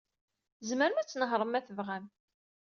Tzemrem ad tnehṛem ma tebɣam.